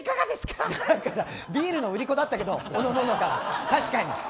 だから、ビールの売り子だったけどおのののかは。